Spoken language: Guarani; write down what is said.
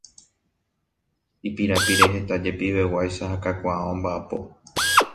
Ipirapire heta jepiveguáicha ha kakuaa omba'apo.